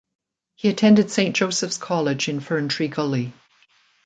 He attended Saint Joseph's College in Ferntree Gully.